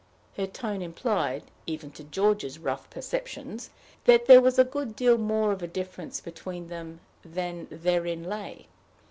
Her tone implied, even to George's rough perceptions, that there was a good deal more of a difference between them than therein lay.